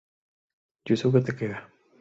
Yusuke Takeda